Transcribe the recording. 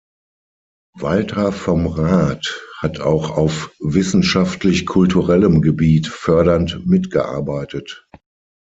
Walther vom Rath hat auch auf wissenschaftlich-kulturellem Gebiet fördernd mitgearbeitet.